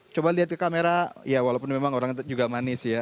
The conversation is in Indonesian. coba lihat ke kamera ya walaupun memang orang juga manis ya